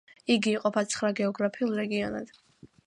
იგი იყოფა ცხრა გეოგრაფიულ რეგიონად.